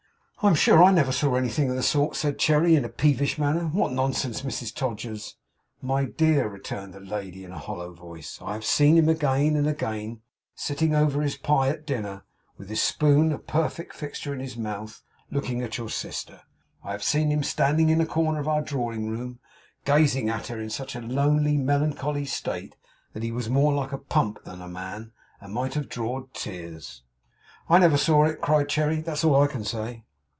'I am sure I never saw anything of the sort,' said Cherry, in a peevish manner. 'What nonsense, Mrs Todgers!' 'My dear,' returned that lady in a hollow voice, 'I have seen him again and again, sitting over his pie at dinner, with his spoon a perfect fixture in his mouth, looking at your sister. I have seen him standing in a corner of our drawing room, gazing at her, in such a lonely, melancholy state, that he was more like a Pump than a man, and might have drawed tears.' 'I never saw it!' cried Cherry; 'that's all I can say.